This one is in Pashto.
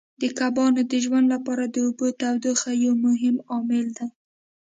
د کبانو د ژوند لپاره د اوبو تودوخه یو مهم عامل دی.